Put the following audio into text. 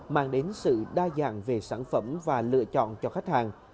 mang đến sự đa dạng về sản phẩm và lựa chọn cho khách hàng